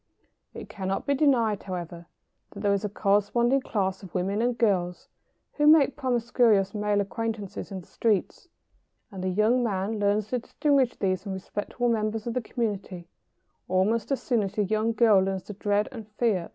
] It cannot be denied, however, that there is a corresponding class of women and girls who make promiscuous male acquaintances in the streets, and the young man learns to distinguish these from respectable members of the community almost as soon as the young girl learns to dread and fear the prowling man.